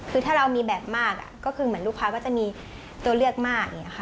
คือถ้าเรามีแบบมากก็คือเหมือนลูกค้าก็จะมีตัวเลือกมากอย่างนี้ค่ะ